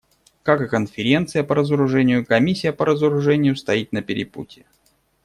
Как и Конференция по разоружению, Комиссия по разоружению стоит на перепутье.